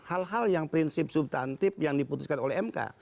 hal hal yang prinsip subtantif yang diputuskan oleh mk